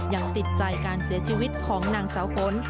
ยังติดใจการเสียชีวิตของนางสาวฝน